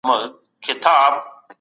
خپل ځان له بدو عادتونو وساتئ.